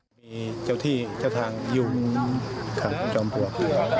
มีเจ้าที่เจ้าทางอยู่จอมปลวก